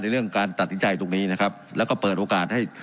เรื่องการตัดสินใจตรงนี้นะครับแล้วก็เปิดโอกาสให้